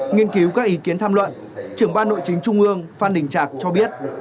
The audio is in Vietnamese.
nghiên cứu các ý kiến tham luận trưởng ban nội chính trung ương phan đình trạc cho biết